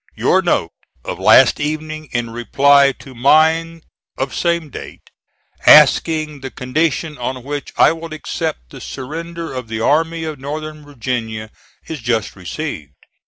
Your note of last evening in reply to mine of same date, asking the condition on which I will accept the surrender of the Army of Northern Virginia is just received.